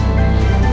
kota tuh happy rasanya